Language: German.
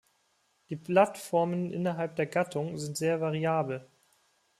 Die Blattformen innerhalb der Gattung sind sehr variabel.